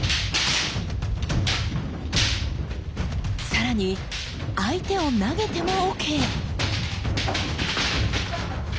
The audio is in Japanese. さらに相手を投げてもＯＫ！